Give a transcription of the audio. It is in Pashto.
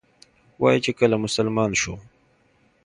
وایي چې کله مسلمان شو.